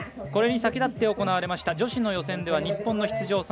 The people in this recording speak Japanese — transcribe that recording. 先立って行われました女子の予選では日本の出場